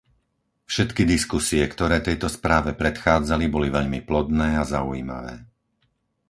Všetky diskusie, ktoré tejto správe predchádzali, boli veľmi plodné a zaujímavé.